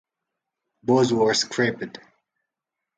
Both were scrapped.